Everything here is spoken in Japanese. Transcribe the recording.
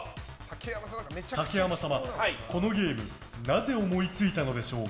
竹山様、このゲームなぜ思いついたのでしょうか？